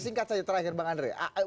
singkat saja terakhir bang andre